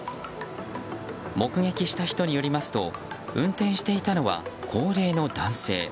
目撃した人によりますと運転していたのは高齢の男性。